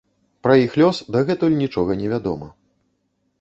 Пра іх лёс дагэтуль нічога невядома.